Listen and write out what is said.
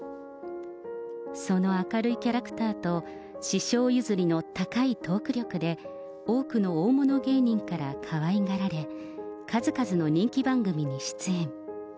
その明るいキャラクターと、師匠譲りの高いトーク力で、多くの大物芸人からかわいがられ、数々の人気番組に出演。